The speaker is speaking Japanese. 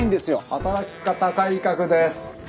働き方改革です。